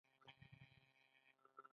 که خلک پوه شول نو لاره سمه ده.